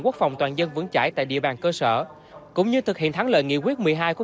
quốc phòng toàn dân vững chải tại địa bàn cơ sở cũng như thực hiện thắng lợi nghị quyết một mươi hai của